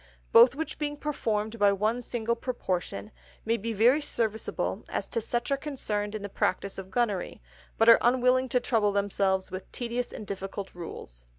Both which being performed by one single Proportion, may be very serviceable to such as are concerned in the Practice of Gunnery, but are unwilling to trouble themselves with tedious and difficult Rules.